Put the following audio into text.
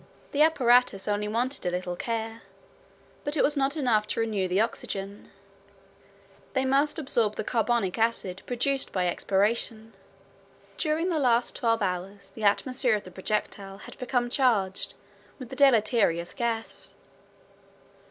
The apparatus only wanted a little care. But it was not enough to renew the oxygen; they must absorb the carbonic acid produced by expiration. During the last twelve hours the atmosphere of the projectile had become charged with this deleterious gas.